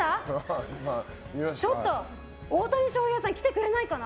大谷翔平さん来てくれないかな？